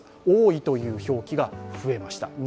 多いという表記が増えました。